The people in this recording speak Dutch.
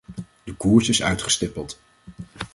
De koers is uitgestippeld.